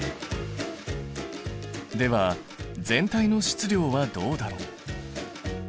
では全体の質量はどうだろう？